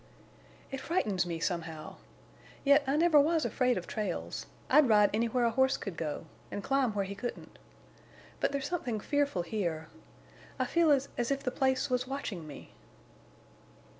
"It frightens me, somehow. Yet I never was afraid of trails. I'd ride anywhere a horse could go, and climb where he couldn't. But there's something fearful here. I feel as—as if the place was watching me."